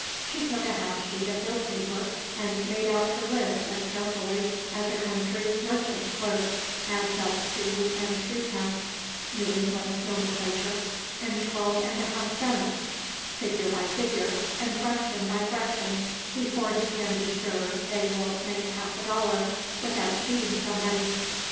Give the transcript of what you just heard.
She took a half sheet of note paper and made out her list as carefully as a country "merchant's clerk" adds up two and threepence (New England nomenclature) and twelve and a half cents, figure by figure, and fraction by fraction, before he can be sure they will make half a dollar, without cheating somebody.